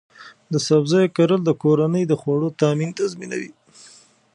د سبزیو کرل د کورنۍ د خوړو تامین تضمینوي.